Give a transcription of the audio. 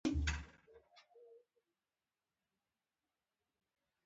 کندز د شمال ولایت دی چې د ټول افغانستان لپاره یوه مهمه سیمه ده.